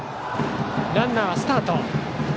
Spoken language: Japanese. ランナーはスタート。